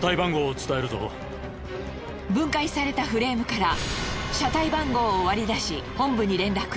分解されたフレームから車体番号を割り出し本部に連絡。